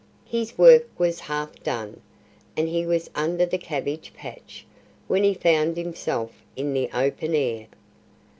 His work was half done, and he was under the cabbage patch, when he found himself in the open air.